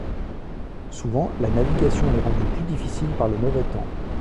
Souvent la navigation est rendue plus difficile par le mauvais temps.